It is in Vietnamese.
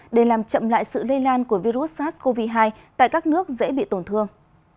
để làm chậm lại sự lây lan của virus sars cov hai tại các nước dễ bị tổn thương